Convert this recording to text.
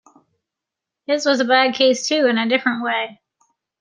His was a bad case too, in a different way.